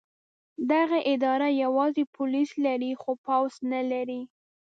دغه اداره یوازې پولیس لري خو پوځ نه لري.